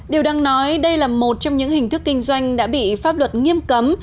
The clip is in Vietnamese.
điều đang nói đây là một trong những hình thức kinh doanh đã bị pháp luật nghiêm cấm